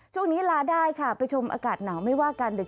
ช่วงนี้ลาได้ค่ะไปชมอากาศหนาวไม่ว่ากันดึก